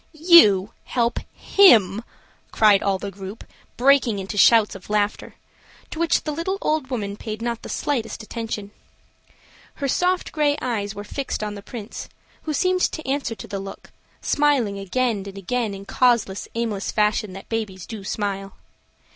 "You help him!" cried all the group breaking into shouts of laughter, to which the little old woman paid not the slightest attention. Her soft gray eyes were fixed on the Prince, who seemed to answer to the look, smiling again and again in the causeless, aimless fashion that babies do smile.